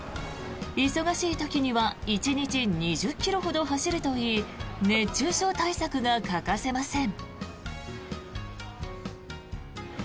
忙しい時には１日２０ｋｍほど走るといい熱中症対策が欠かせません。